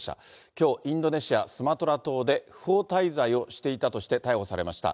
きょう、インドネシア・スマトラ島で不法滞在をしていたとして逮捕されました。